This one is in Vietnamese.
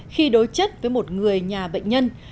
khi đối chất với một người nhà bệnh nhân